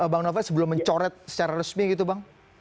bang novel sebelum mencoret secara resmi gitu bang